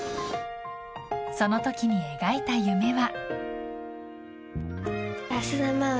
そのときに描いた夢は。